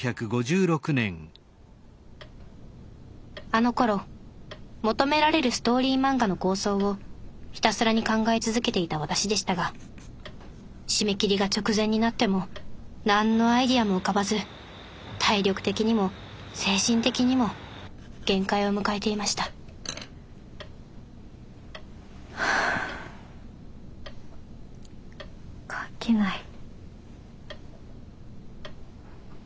あのころ求められるストーリー漫画の構想をひたすらに考え続けていた私でしたが締め切りが直前になっても何のアイデアも浮かばず体力的にも精神的にも限界を迎えていました描けない。